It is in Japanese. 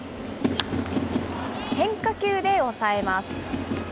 変化球で抑えます。